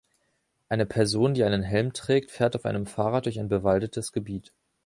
Eine Person, die einen Helm trägt, fährt auf einem Fahrrad durch ein bewaldetes Gebiet